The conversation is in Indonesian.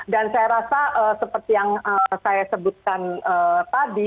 dan saya rasa seperti yang saya sebutkan tadi